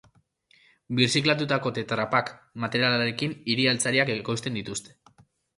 Birziklatutako tetrapack materialarekin hiri-altzariak ekoizten dituzte.